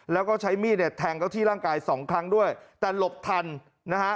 แล้วก็ใช้มีดเนี่ยแทงเขาที่ร่างกายสองครั้งด้วยแต่หลบทันนะฮะ